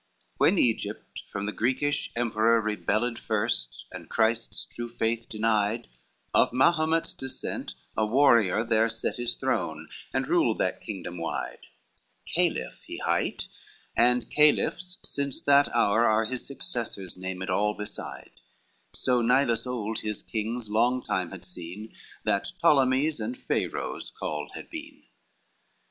IV When Egypt from the Greekish emperor Rebelled first, and Christ's true faith denied, Of Mahomet's descent a warrior There set his throne and ruled that kingdom wide, Caliph he hight, and Caliphs since that hour Are his successors named all beside: So Nilus old his kings long time had seen That Ptolemies and Pharaohs called had been.